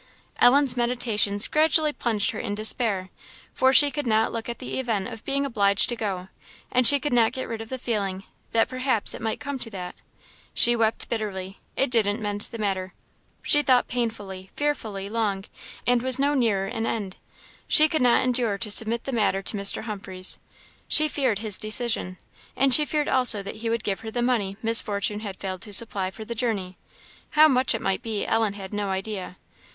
Ellen's meditations gradually plunged her in despair; for she could not look at the event of being obliged to go, and she could not get rid of the feeling, that perhaps it might come to that. She wept bitterly it didn't mend the matter. She thought painfully, fearfully, long and was no nearer an end. She could not endure to submit the matter to Mr. Humphreys; she feared his decision; and she feared also that he would give her the money Miss Fortune had failed to supply for the journey; how much it might be, Ellen had no idea.